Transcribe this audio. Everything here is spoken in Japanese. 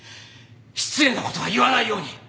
失礼な事は言わないように！